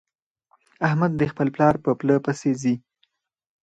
احمد د خپل پلار په پله پسې ځي.